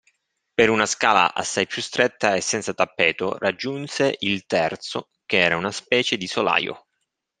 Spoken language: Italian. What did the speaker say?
Per una scala assai più stretta e senza tappeto, raggiunse il terzo, che era una specie di solaio.